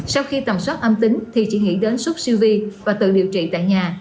sau khi tầm soát âm tính thì chỉ nghĩ đến suốt siêu vi và tự điều trị tại nhà